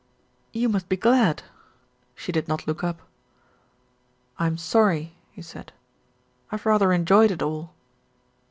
"You must be glad." She did not look up. "I am sorry," he said. "I have rather enjoyed it all."